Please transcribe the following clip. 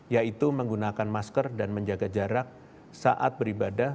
yaitu menggunakan masker dan menjaga jarak saat beribadah